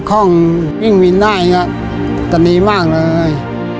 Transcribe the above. กินรถคล่องวิ่งวินได้ก็ดีมากเลย